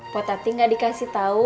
pok tadi nggak dikasih tahu